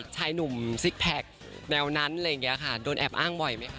ใช้หนุ่มซิกแพคแนวนั้นโดนแอบอ้างบ่อยไหมคะ